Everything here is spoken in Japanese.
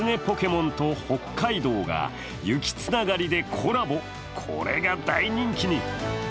ポケモンと北海道が雪つながりでコラボ、これが大人気に。